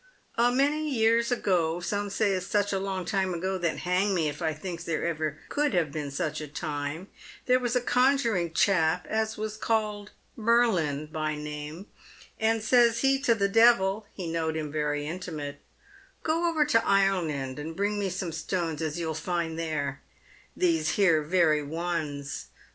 A many years ago — some says such a long time ago, that hang me if I thinks there ever could have been such a time — there was a conjuring chap as was called Merlin by name, and says he to the devil (he knowed him very intimate), ' Gro over to Ireland and bring me some stones as you'll find there' — these here very ones.